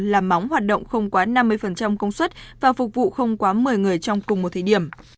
làm móng hoạt động không quá năm mươi công suất và phục vụ không quá một mươi người trong cùng một thời điểm